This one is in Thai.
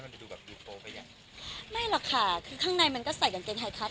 จะดูแบบดูโปรไปยังไม่หรอกค่ะคือข้างในมันก็ใส่กางเกงไทยคัด